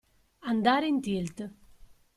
Andare in tilt.